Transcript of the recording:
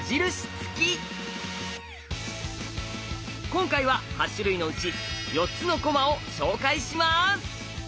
今回は８種類のうち４つの駒を紹介します。